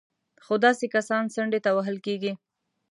خو داسې کسان څنډې ته وهل کېږي